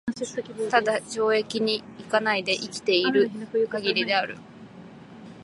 只懲役に行かないで生きて居る許りである。